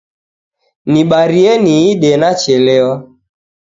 Nibarie niide nachelewa.